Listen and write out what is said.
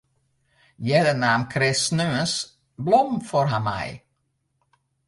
Earder naam Chris sneons blommen foar har mei.